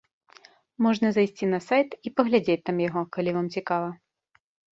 Можна зайсці на сайт і паглядзець там яго, калі вам цікава.